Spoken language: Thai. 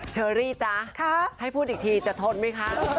เชอรี่จ๊ะให้พูดอีกทีจะทนไหมคะ